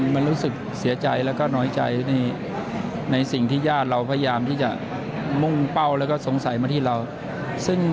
มันรู้สึกเสียใจแล้วก็น้อยใจในสิ่งที่ญาติเราพยายามที่จะมุ่งเป้าแล้วก็สงสัยมาที่เรา